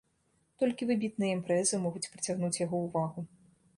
Толькі выбітныя імпрэзы могуць прыцягнуць яго ўвагу.